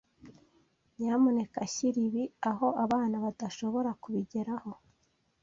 Nyamuneka shyira ibi aho abana badashobora kubigeraho.